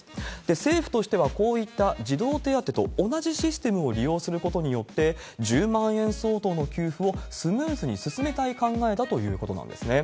政府としてはこういった児童手当と同じシステムを利用することによって、１０万円相当の給付をスムーズに進めたい考えだということなんですね。